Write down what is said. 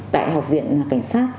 tại học viện cảnh sát